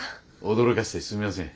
驚かせてすみません。